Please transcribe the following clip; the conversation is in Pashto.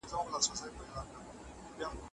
که تدریس تمرین ولري، مهارت نه له منځه ځي.